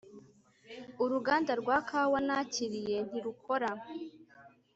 Uruganda rwa kawa nakiriye ntirukora